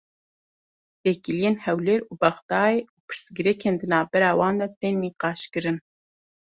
Têkiliyên Hewlêr û Bexdayê û pirsgirêkên di navbera wan de tên nîqaşkirin.